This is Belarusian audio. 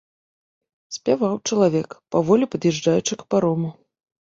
Спяваў чалавек, паволі пад'язджаючы к парому.